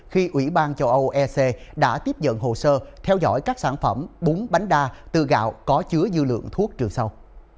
khi ủy ban châu âu ec đã tiếp nhận hồ sơ theo dõi các sản phẩm bún bánh đa từ gạo có chứa dư lượng thuốc trừ sâu